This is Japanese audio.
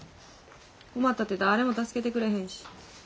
困ったってだれも助けてくれへんし。